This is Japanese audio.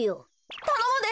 たのむで。